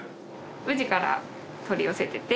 宇治から取り寄せてて。